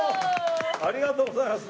ありがとうございます。